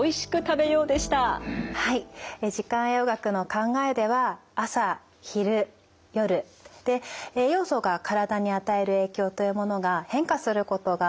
時間栄養学の考えでは朝昼夜で栄養素が体に与える影響というものが変化することが分かっております。